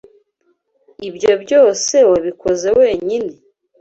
Ibyo byose wabikoze wenyine?